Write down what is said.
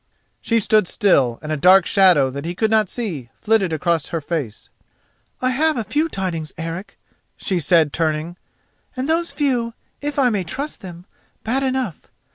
She stood still, and a dark shadow that he could not see flitted across her face. "I have few tidings, Eric," she said, turning, "and those few, if I may trust them, bad enough.